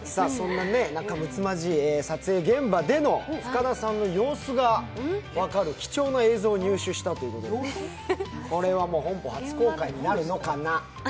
仲睦まじい撮影現場での深田さんの様子が分かる貴重な映像を入手したということで、これは本邦初公開になるのかな？